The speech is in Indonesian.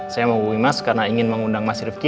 saya mau hubungi mas karena ingin mengundang mas rifiki